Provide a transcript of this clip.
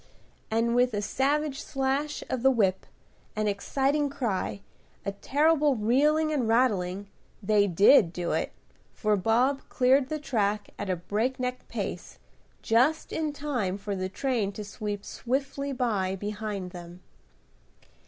and with a savage slash of the whip, an exciting cry, a terrible reeling and rattling, they did do it; for Bob cleared the track at a breakneck pace, just in time for the train to sweep swiftly by behind them.